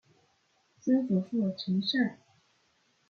曾祖父陈善。